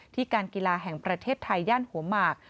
การกีฬาแห่งประเทศไทยย่านหัวหมาก